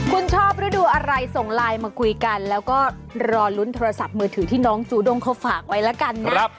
คุณชอบฤดูอะไรส่งไลน์มาคุยกันแล้วก็รอลุ้นโทรศัพท์มือถือที่น้องจูด้งเขาฝากไว้แล้วกันนะ